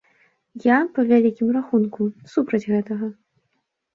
Я, па вялікім рахунку, супраць гэтага.